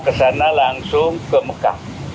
ke sana langsung ke mekah